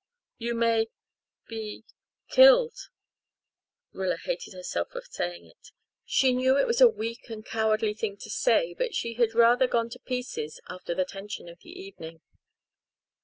"You may be killed," Rilla hated herself for saying it she knew it was a weak and cowardly thing to say but she had rather gone to pieces after the tension of the evening.